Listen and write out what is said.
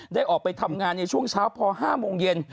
ได้ออกไปทำงานในช่วงเช้าพอ๕โมงเย็น